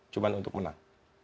cuma untuk menang